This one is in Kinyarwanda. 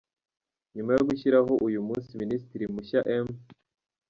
Nyuma yo gushyiraho uyu mu Minisitiri mushya M.